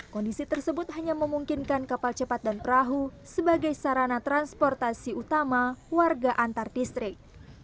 kondisi tersebut hanya memungkinkan kapal cepat dan perahu sebagai sarana transportasi utama warga antar distrik